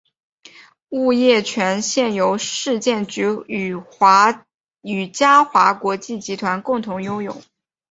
物业权现由市建局与嘉华国际集团共同拥有。